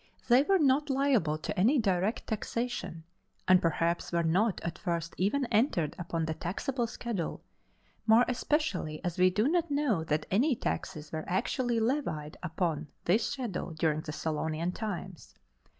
They were not liable to any direct taxation, and perhaps were not at first even entered upon the taxable schedule, more especially as we do not know that any taxes were actually levied upon this schedule during the Solonian times.